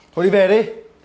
thôi đi về đi